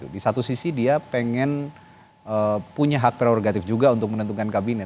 di satu sisi dia pengen punya hak prerogatif juga untuk menentukan kabinet